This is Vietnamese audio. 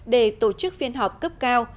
để tổ chức phiên họp cấp cao